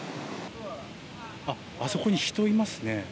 あそこに人がいますね。